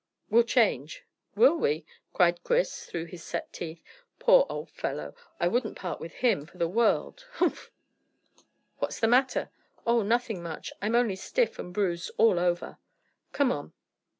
We'll change." "Will we?" cried Chris, through his set teeth. "Poor old fellow, I wouldn't part with him for the world. Hff!" "What's the matter?" "Oh, nothing much. I'm only stiff and bruised all over. Come on."